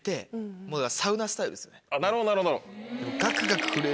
なるほどなるほど。